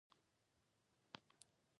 د هغوی پروګرام د جنګیالیو ملاتړ و.